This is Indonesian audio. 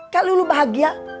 kalau lu bahagia